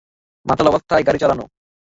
মাতাল অবস্থায় গাড়ি চালানো।